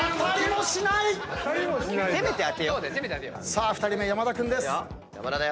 さあ２人目山田君です。